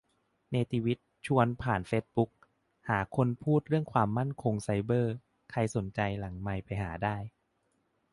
เนติวิทย์ชวนผ่านเฟซบุ๊ก หาคนพูดเรื่องความมั่นคงไซเบอร์ ใครสนใจหลังไมค์ไปหาได้